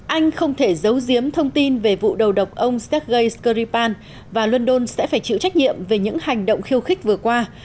anh không thể giấu giếm thông tin về vụ đầu độc ông sergei skripal và london sẽ phải chịu trách nhiệm về những hành động khiêu khích vừa qua